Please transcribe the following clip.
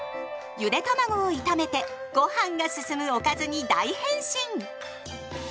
ゆでたまごを炒めてごはんが進むおかずに大変身！